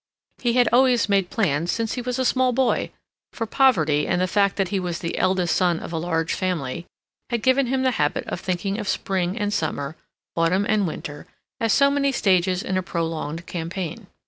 He had always made plans since he was a small boy; for poverty, and the fact that he was the eldest son of a large family, had given him the habit of thinking of spring and summer, autumn and winter, as so many stages in a prolonged campaign.